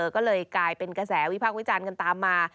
ก็เลยกลายเป็นกระแสวิพากษ์วิจารณ์กันตามมา